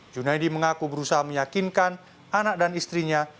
junaidi mengaku berusaha meyakinkan anak dan istrinya